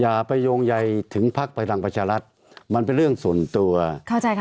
อย่าไปโยงใยถึงพักพลังประชารัฐมันเป็นเรื่องส่วนตัวเข้าใจค่ะ